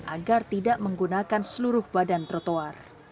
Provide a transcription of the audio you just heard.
agar tidak menggunakan seluruh badan trotoar